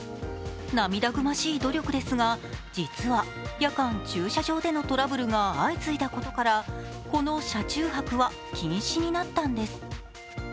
涙ぐましい努力ですが実は夜間駐車場でのトラブルが相次いだことから、この車中泊は禁止になったんです。